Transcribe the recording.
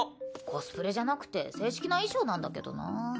コスプレじゃなくて正式な衣装なんだけどな。